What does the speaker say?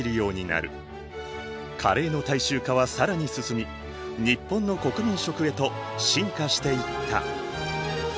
カレーの大衆化は更に進み日本の国民食へと進化していった。